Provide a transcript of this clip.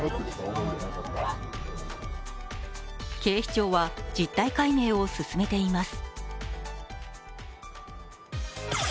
警視庁は実態解明を進めています。